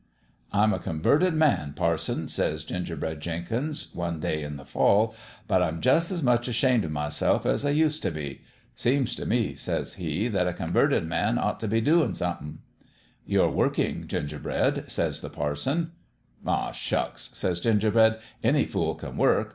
"' I'm a converted man, parson,' says Ginger bread Jenkins, one day in the fall, ' but I'm jus' as much ashamed o' myself as I used t' be. Seems t' me,' says he, ' that a converted man ought t' be doin* somethin'. 1 "' You're workin', Gingerbread,' says the par son. "* Oh, shucks !' says Gingerbread ;* any fool can work.